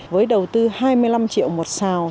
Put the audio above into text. với đầu tư hai mươi năm triệu một sào